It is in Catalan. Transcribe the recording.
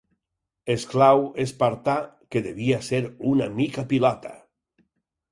Esclau espartà que devia ser una mica pilota.